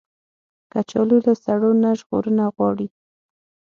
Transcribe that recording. کچالو له سړو نه ژغورنه غواړي